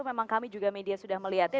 memang kami juga media sudah melihatnya